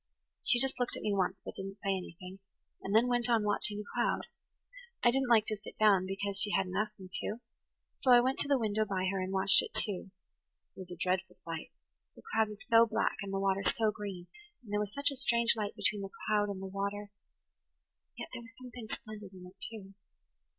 She just looked at me once, but didn't say anything, and then went on watching the cloud. I didn't like to sit down because she hadn't asked me to, so I went to the window by her and watched it, too. It was a dreadful sight–the cloud was so black and the [Page 100] water so green, and there was such a strange light between the cloud and the water; yet there was something splendid in it, too.